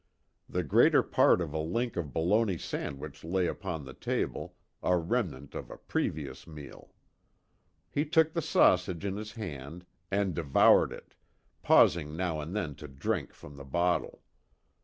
The greater part of a link of bologna sausage lay upon the table, a remnant of a previous meal. He took the sausage in his hand and devoured it, pausing now and then to drink from the bottle.